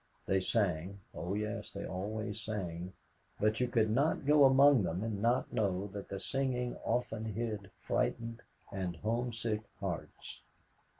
They sang oh, yes, they always sang; but you could not go among them and not know that the singing often hid frightened and homesick hearts.